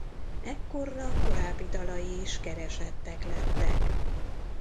Ekkorra korábbi dalai is keresettek lettek.